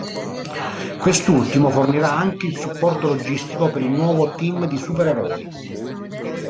Quest'ultimo fornirà anche il supporto logistico per il nuovo team di supereroi.